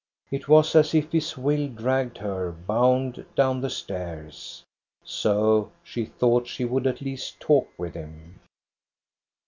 It was as if his will dragged her bound down the stairs. So she thought she would at least talk with him.